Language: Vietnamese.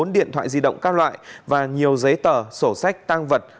một mươi bốn điện thoại di động các loại và nhiều giấy tờ sổ sách tăng vật